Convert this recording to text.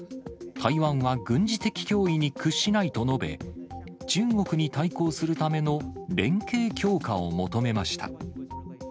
台湾は軍事的脅威に屈しないと述べ、中国に対抗するための連携強化を求めました。